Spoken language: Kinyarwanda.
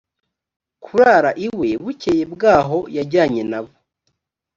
kurara iwe bukeye bwaho yajyanye nabo